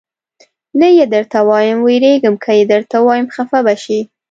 نه یې درته وایم، وېرېږم که یې درته ووایم خفه به شې.